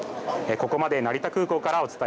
ここまで成田空港からお伝え